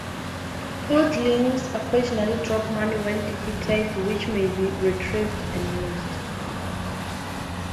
Hordlings occasionally drop money when defeated, which may be retrieved and used.